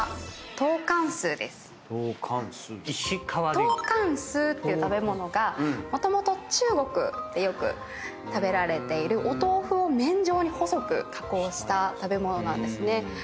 豆干絲っていう食べ物がもともと中国でよく食べられているお豆腐を麺状に細く加工した食べ物なんですね。